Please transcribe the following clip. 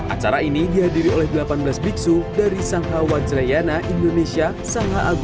acara ini dihadiri oleh delapan belas biksu dari sangha wajrayana indonesia sangha agung indonesia dan lebih dari tiga ratus umat buddha